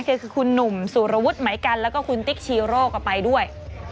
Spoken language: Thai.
ก็คือคุณหนุ่มสุรวุฒิไหมกันแล้วก็คุณติ๊กชีโร่ก็ไปด้วย